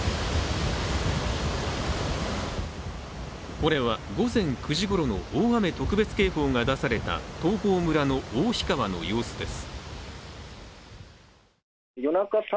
これは午前９時ごろの大雨特別警報が出された東峰村の大肥川の様子です。